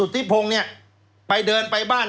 ตัวเล็ก